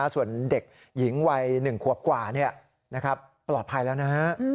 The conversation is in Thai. ส่วนเด็กหญิงวัย๑ขวบกว่าปลอดภัยแล้วนะฮะ